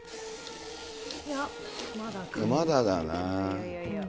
まだだな。